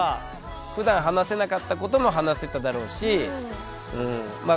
ふだん話せなかったことも話せただろうしまあ